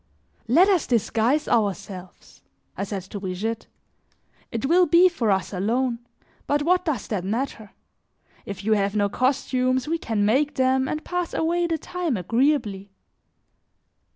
"Let us disguise ourselves," I said to Brigitte. "It will be for us alone, but what does that matter? If you have no costumes we can make them, and pass away the time agreeably."